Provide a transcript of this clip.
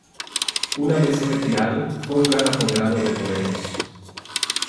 Una vez retirado fue un gran apoderado de toreros.